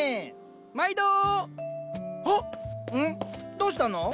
どうしたの？